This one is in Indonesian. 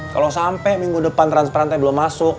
kalau sampai minggu depan transprantai belum masuk